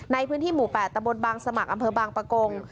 ในพื้นที่หมู่๘ตะบนบางสมัครอำเภอบางปะกง